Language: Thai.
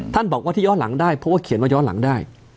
บอกว่าที่ย้อนหลังได้เพราะว่าเขียนว่าย้อนหลังได้